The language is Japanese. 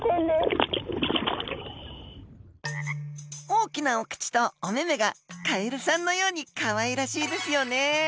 大きなお口とおめめがカエルさんのようにかわいらしいですよね。